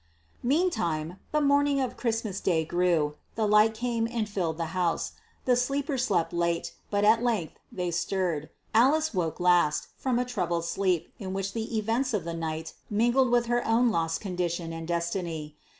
Meantime the morning of Christmas Day grew. The light came and filled the house. The sleepers slept late, but at length they stirred. Alice awoke last from a troubled sleep, in which the events of the night mingled with her own lost condition and destiny.